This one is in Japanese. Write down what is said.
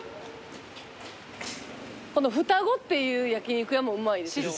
このふたごっていう焼き肉屋もうまいですよ。